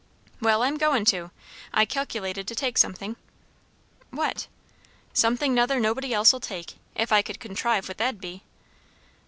"Well; I'm goin' to. I calculated to take something." "What?" "Somethin' 'nother nobody else'll take if I could contrive what that'd be."